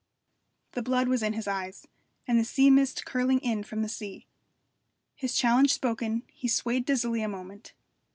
The blood was in his eyes, and the sea mist curling in from sea. His challenge spoken, he swayed dizzily a moment.